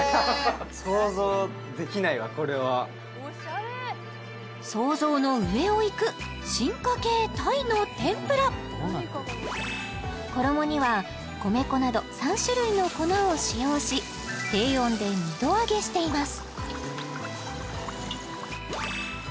・想像できないわこれは想像の上をいく進化系鯛の天ぷら衣には米粉など３種類の粉を使用し低温で２度揚げしています